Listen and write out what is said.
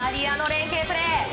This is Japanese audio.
まずはイタリアの連係プレー！